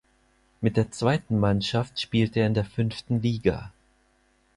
Mit der zweiten Mannschaft spielte er in der fünften Liga.